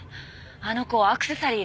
あの子アクセサリー